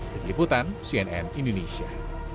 kejeputan cnn indonesia